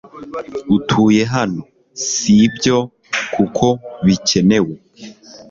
Utuye hano, si byo kuko bikenewe